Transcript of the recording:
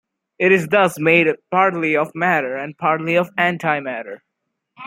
It is thus made partly of matter, and partly of antimatter.